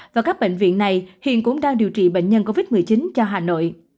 và các bệnh viện này hiện cũng đang điều trị bệnh nhân covid một mươi chín cho hà nội